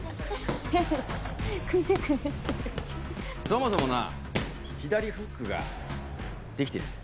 そもそもな左フックができてない。